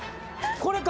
これか。